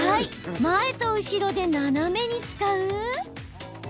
前と後ろで斜めに使う？